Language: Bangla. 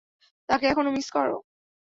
তাকে এখনো মিস করো?